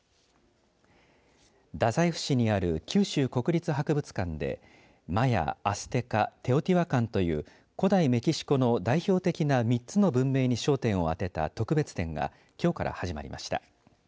太宰府市にある九州国立博物館でマヤ、アステカテオティワカンという古代メキシコの代表的な３つの文明に焦点を当てた特別展がきょうから始まりました。